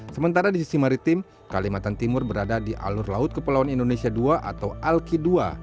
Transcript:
sementara di sisi maritim kalimantan timur berada di alur laut kepulauan indonesia ii atau alki ii